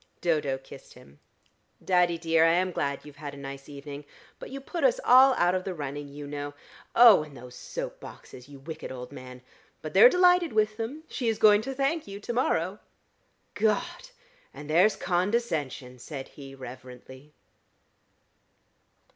Dodo kissed him. "Daddy, dear," she said, "I am glad you've had a nice evening. But you put us all out of the running, you know. Oh, and those soap boxes, you wicked old man! But they're delighted with them. She is going to thank you to morrow." "God! An' there's condescension!" said he reverently.